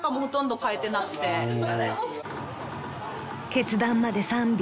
［決断まで３秒］